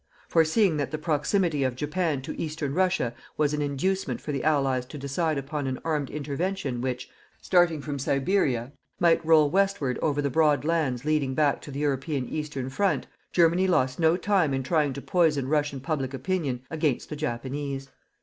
Foreseeing that the proximity of Japan to eastern Russia was an inducement for the Allies to decide upon an armed intervention which, starting from Siberia, might roll westward over the broad lands leading back to the European eastern war front, Germany lost no time in trying to poison Russian public opinion against the Japanese.